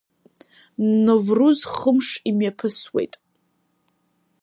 Новруз хымш имҩаԥысуеит.